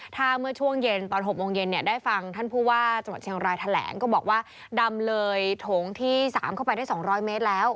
ถ้าเมื่อช่วงเย็นตอน๖โมงเย็นเนี่ยได้ฟังท่านผู้ว่าจังหวัดเชียงรายแถลงก็บอกว่าดำเลยโถงที่๓เข้าไปได้๒๐๐เมตรแล้ว